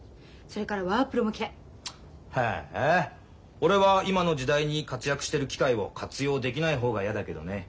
俺は今の時代に活躍してる機械を活用できない方がやだけどね。